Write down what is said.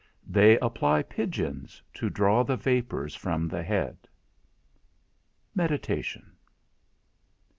They apply pigeons, to draw the vapours from the head. XII. MEDITATION.